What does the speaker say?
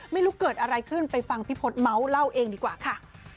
ไม่รู้เกิดอะไรขึ้นไปฟังพี่พศเมาส์เล่าเองดีกว่าค่ะ